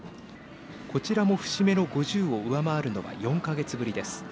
こちらも節目の５０を上回るのは４か月ぶりです。